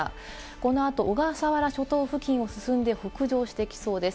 この後、小笠原諸島付近を進んで北上してきそうです。